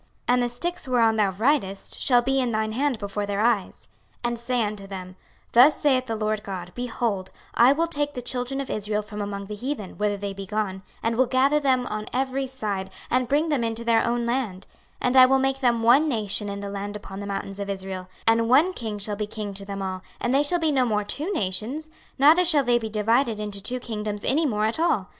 26:037:020 And the sticks whereon thou writest shall be in thine hand before their eyes. 26:037:021 And say unto them, Thus saith the Lord GOD; Behold, I will take the children of Israel from among the heathen, whither they be gone, and will gather them on every side, and bring them into their own land: 26:037:022 And I will make them one nation in the land upon the mountains of Israel; and one king shall be king to them all: and they shall be no more two nations, neither shall they be divided into two kingdoms any more at all.